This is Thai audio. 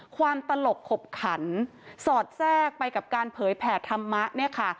ตลกขบขันสอดแทรกไปกับการเผยแผ่ธรรมะเนี่ยค่ะ